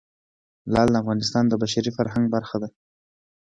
لعل د افغانستان د بشري فرهنګ برخه ده.